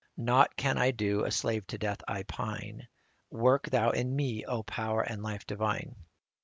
Nought can I do, a slave to death I pine : Work Thou in me, O Power and Life divine